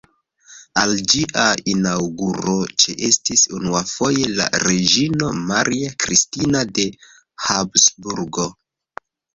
Al ĝia inaŭguro ĉeestis unuafoje la reĝino Maria Kristina de Habsburgo.